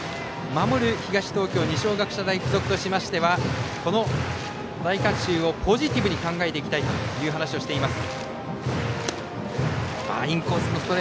守る東東京二松学舎大付属としましてはこの大観衆をポジティブに考えていきたいと話をしています。